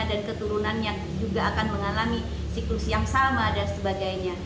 dan keturunannya juga akan mengalami siklus yang sama dan sebagainya